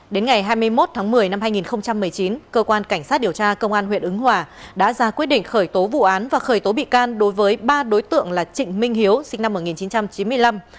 đến ngày hai mươi một tháng một mươi năm hai nghìn một mươi chín cơ quan cảnh sát điều tra công an huyện ứng hòa đã ra quyết định khởi tố vụ án và khởi tố bị can đối với ba đối tượng là trịnh minh hiếu sinh năm một nghìn chín trăm chín mươi năm